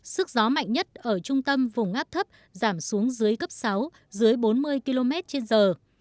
sức gió mạnh nhất ở trung tâm vùng áp thấp giảm xuống dưới cấp sáu dưới bốn mươi km trên giờ